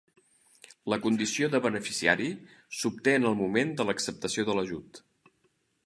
La condició de beneficiari s'obté en el moment de l'acceptació de l'ajut.